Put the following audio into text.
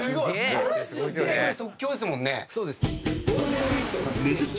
マジで⁉これ即興ですもんね。